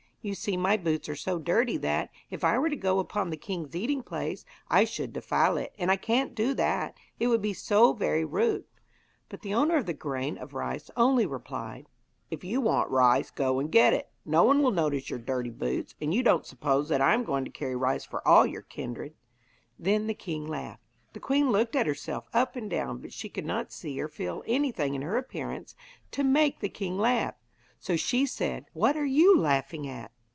You see my boots are so dirty that, if I were to go upon the king's eating place, I should defile it, and I can't do that, it would be so very rude.' But the owner of the grain of rice only replied: 'If you want rice go and get it. No one will notice your dirty boots; and you don't suppose that I am going to carry rice for all our kindred?' Then the king laughed. The queen looked at herself up and down, but she could not see or feel anything in her appearance to make the king laugh, so she said: 'What are you laughing at?'